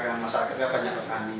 karena masyarakat banyak berkami